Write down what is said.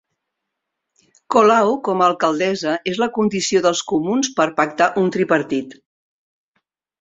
Colau com a alcaldessa és la condició dels comuns per pactar un tripartit